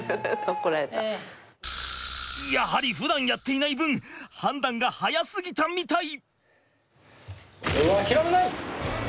やはりふだんやっていない分判断が早すぎたみたい。